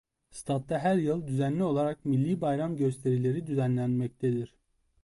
Stad da her yıl düzenli olarak millî bayram gösterileri düzenlenmektedir.